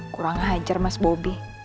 kurang hajar mas bobby